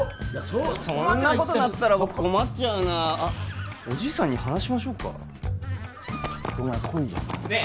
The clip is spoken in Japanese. そんなことになったら僕困っちゃうなあっおじいさんに話しましょうかちょっとお前来いよねえ